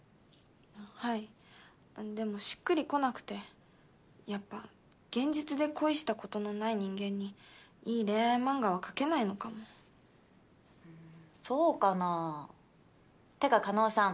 はいでもしっくりこなくてやっぱ現実で恋したことのない人間にいい恋愛漫画は描けないのかもそうかなてか叶さん